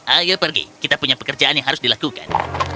ayo pergi kita punya pekerjaan yang harus dilakukan